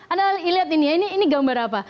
anda lihat ini ya ini gambar apa